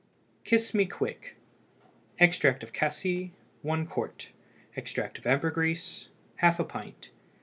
KISS ME QUICK. Extract of cassie 1 qt. Extract of ambergris ½ pint.